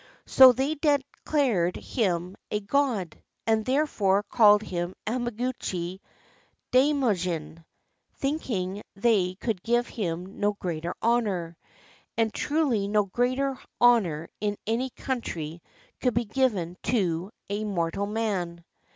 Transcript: So they declared him a god, and thereafter called him Hamaguchi Daimyojin, thinking they could give him no greater honor; — and truly no greater honor in any country could be given to mortal man.